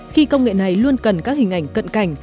khi công nghệ này luôn cần các hình ảnh cận cảnh